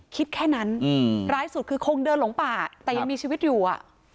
คิดแค่นั้นร้ายสุดคือคงเดินหลงป่าแต่ยังมีชีวิตอยู่อ่ะ